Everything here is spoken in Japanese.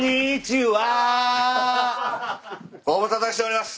ご無沙汰しております。